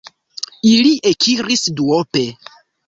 Ili ekiris duope.